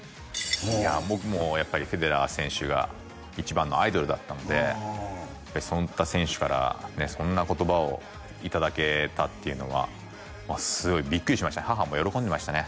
いや僕もやっぱりフェデラー選手が一番のアイドルだったのでそんな選手からねそんな言葉をいただけたっていうのはすごいビックリしました母も喜んでましたね